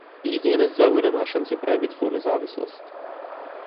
Jedinec v davu nemá šanci projevit svou nezávislost.